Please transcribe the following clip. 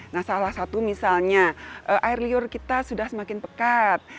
nah salah satu misalnya air liur kita sudah semakin pekat